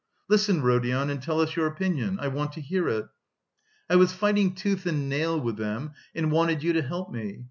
"Listen, Rodion, and tell us your opinion, I want to hear it. I was fighting tooth and nail with them and wanted you to help me.